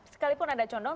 sekalipun ada condong